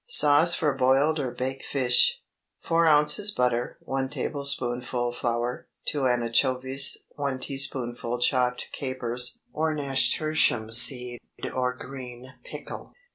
SAUCE FOR BOILED OR BAKED FISH. 4 ounces butter. 1 tablespoonful flour. 2 anchovies. 1 teaspoonful chopped capers, or nasturtium seed, or green pickle.